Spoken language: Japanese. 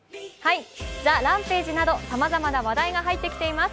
ＴＨＥＲＡＭＰＡＧＥなどさまざまな話題が入ってきています。